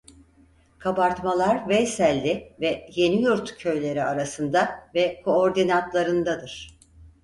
Kabartmalar Veyselli ve Yeniyurt köyleri arasında ve koordinatlarındadır.